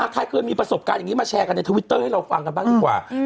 ใครเคยมีประสบการณ์อย่างนี้มาแชร์กันในทวิตเตอร์ให้เราฟังกันบ้างดีกว่า